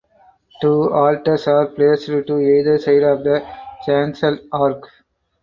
Two altars are placed to either side of the chancel arch.